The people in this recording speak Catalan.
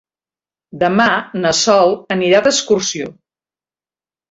Demà na Sol anirà d'excursió.